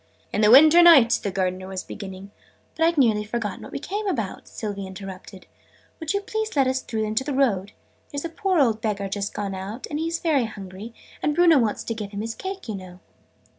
"In the winter nights " the Gardener was beginning. "But I'd nearly forgotten what we came about!" Sylvie interrupted. "Would you please let us through into the road? There's a poor old beggar just gone out and he's very hungry and Bruno wants to give him his cake, you know!"